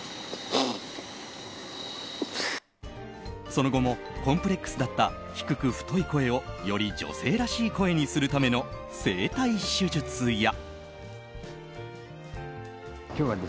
その後もコンプレックスだった低く太い声をより女性らしい声にするための声帯手術や。